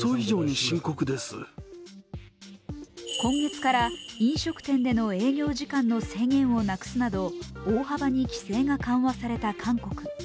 今月から飲食店での営業時間の制限をなくすなど大幅に規制が緩和された韓国。